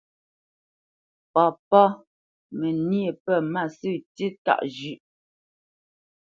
Papá: Mə níe pə̂ mâsə̂ tíí tâʼ zhʉ̌ʼ.